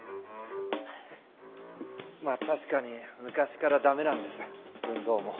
まあ確かに昔から駄目なんです運動も。